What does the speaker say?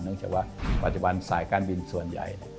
จากว่าปัจจุบันสายการบินส่วนใหญ่